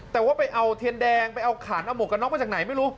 แต่ว่าไปเอาเทียนแดงไปเอาขานเอาหมวกกันน็อกมาจากไหนไม่รู้